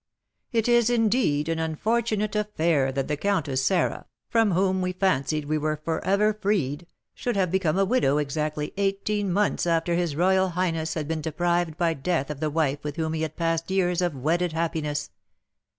"It is, indeed, an unfortunate affair that the Countess Sarah, from whom we fancied we were for ever freed, should have become a widow exactly eighteen months after his royal highness had been deprived by death of the wife with whom he had passed years of wedded happiness.